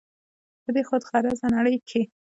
په دې خود غرضه نړۍ کښې